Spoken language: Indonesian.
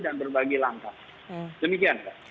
dan berbagi langkah demikian